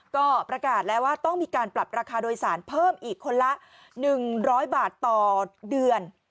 ก็ประกาศแล้วว่าต้องมีการปรับราคาโดยสารเพิ่มอีกคนละ๑๐๐บาทต่อเดือน